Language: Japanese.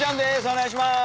お願いします。